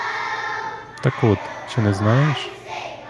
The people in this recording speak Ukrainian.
Так от, чи не знаєш?